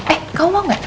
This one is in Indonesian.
eh kamu mau gak